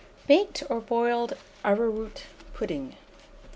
BAKED OR BOILED ARROWROOT PUDDING.